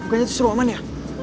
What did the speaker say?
bukannya tuh si roman ya